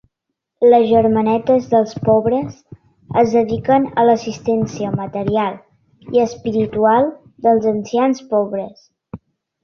Les Germanetes dels Pobres es dediquen a l'assistència material i espiritual dels ancians pobres.